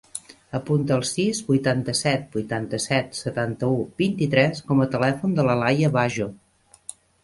Apunta el sis, vuitanta-set, vuitanta-set, setanta-u, vint-i-tres com a telèfon de la Laia Bajo.